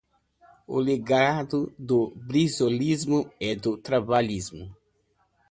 O legado do brizolismo e do trabalhismo